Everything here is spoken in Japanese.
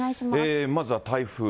まずは台風。